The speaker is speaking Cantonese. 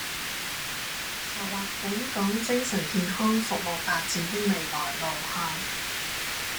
籌劃本港精神健康服務發展的未來路向